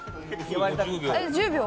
え、１０秒？